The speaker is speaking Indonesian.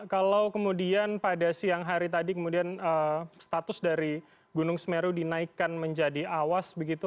kalau kemudian pada siang hari tadi kemudian status dari gunung semeru dinaikkan menjadi awas begitu